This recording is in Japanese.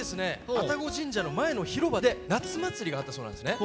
愛宕神社の前の広場で夏祭りがあったそうなんですね。